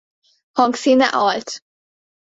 Hangszíne alt.